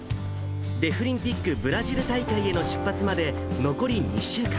デフリンピックブラジル大会への出発まで残り２週間。